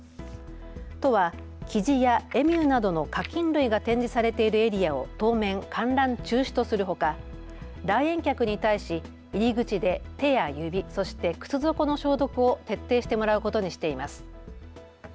都はキジやエミューなどの家きん類が展示されているエリアを当面、観覧中止とするほか来園客に対し入り口で手や指、そして靴底の消毒を徹底してもらうことにしています。